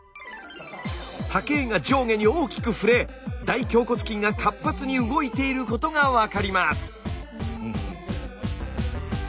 波形が上下に大きく振れ大頬骨筋が活発に動いていることが分かります。